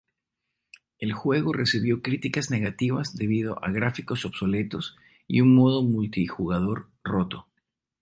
El juego recibió críticas negativas debido a gráficos obsoletos y un modo multijugador roto.